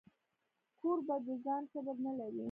کوربه د ځان کبر نه لري.